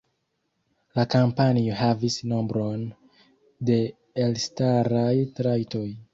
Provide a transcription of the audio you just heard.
La kampanjo havis nombron de elstaraj trajtoj.